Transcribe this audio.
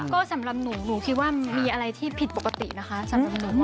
ก็สำหรับหนูหนูคิดว่ามีอะไรที่ผิดปกตินะคะสำหรับหนู